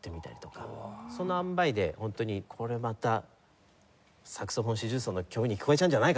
そのあんばいで本当にこれまたサクソフォン四重奏の曲に聴こえちゃうんじゃないかな？